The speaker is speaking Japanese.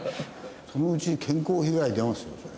そのうち健康被害出ますよそれ。